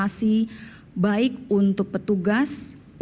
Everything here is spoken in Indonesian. kami menguasai nasik face dari seorang anak kecil